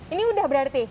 ini udah berarti